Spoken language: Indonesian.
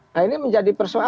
nah ini menjadi persoalan